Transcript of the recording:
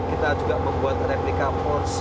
kita juga membuat replika force